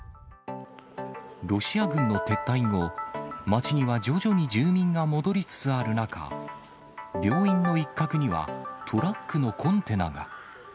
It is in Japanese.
ロシア軍の撤退後、街には徐々に住民が戻りつつある中、病院の一角にはトラックのコンテナが。